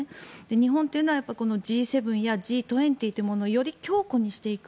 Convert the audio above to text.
日本というのはＧ７やＧ２０というものをより強固にしていく。